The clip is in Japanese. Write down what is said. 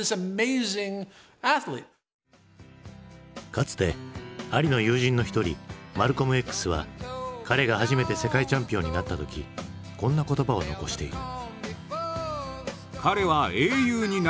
かつてアリの友人の一人マルコムＸは彼が初めて世界チャンピオンになった時こんな言葉を残している。